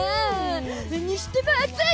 それにしても暑い！